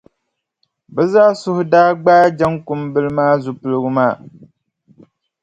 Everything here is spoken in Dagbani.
Bɛ zaa suhu daa gbaai Jaŋkumbila maa zupiligu maa.